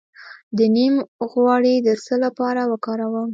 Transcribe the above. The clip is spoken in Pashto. د نیم غوړي د څه لپاره وکاروم؟